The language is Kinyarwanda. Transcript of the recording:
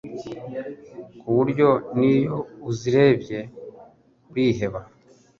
ku buryo n'iyo uzirebeye uriheba